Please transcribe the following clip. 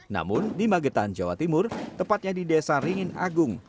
namun di magetan jawa timur tepatnya di desa ringin agung